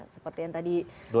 seperti yang tadi